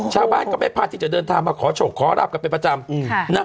ชาวบ้านก็ไม่พลาดที่จะเดินทางมาขอโชคขอราบกันเป็นประจำ